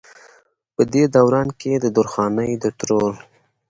پۀ دې دوران کښې د درخانۍ د ترور